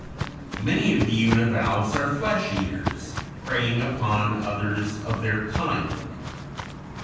] Many of the univalves are flesh eaters, preying upon others of their kind.